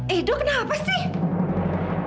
edo kenapa sih